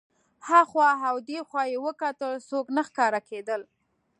هخوا او دېخوا یې وکتل څوک نه ښکارېدل.